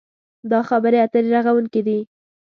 دا خبرې اترې رغوونکې دي.